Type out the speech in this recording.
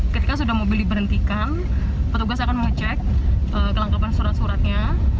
ketika sudah mobil diberhentikan petugas akan mengecek kelengkapan surat suratnya